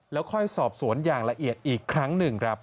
แล้วค่อยสอบสวนอย่างละเอียดอีกครั้งหนึ่งครับ